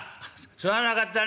「すまなかったね」。